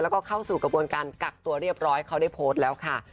แล้วก็เข้าสู่กระบวนการกักตัวเรียบร้อยเขาได้โพสต์แล้วค่ะ